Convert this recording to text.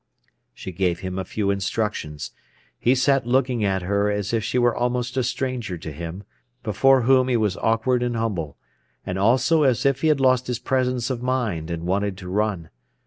She gave him a few instructions. He sat looking at her as if she were almost a stranger to him, before whom he was awkward and humble, and also as if he had lost his presence of mind, and wanted to run.